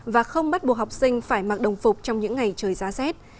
và không bắt buộc học sinh phải mặc đồng phục trong những ngày trời giá rét